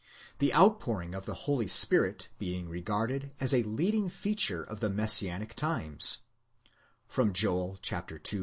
the outpouring of the Holy Spirit being regarded as a leading feature of the Messianic times (Joel ii.